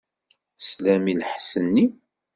Teslam i lḥess-nni?